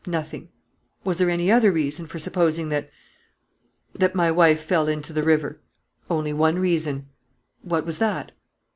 "Nothing." "Was there any other reason for supposing that that my wife fell into the river?" "Only one reason." "What was that?"